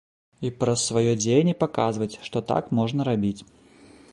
І праз сваё дзеянне паказваць, што так можна рабіць.